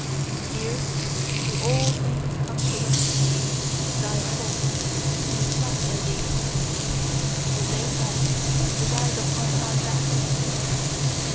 Here do all things come caressingly to thy talk and flatter thee: for they want to ride upon thy back.